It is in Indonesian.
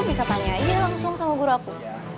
bisa tanyain langsung sama guru aku